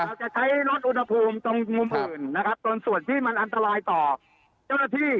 เราจะใช้ลดอุณหภูมิตรงมุมอื่นนะครับจนส่วนที่มันอันตรายต่อเจ้าหน้าที่